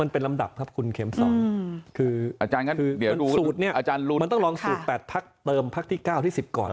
มันเป็นลำดับครับคุณเขมสองคือสูตรเนี่ยมันต้องลองสูตร๘พักเติมพักที่๙ที่๑๐ก่อน